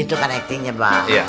itu kan actingnya bang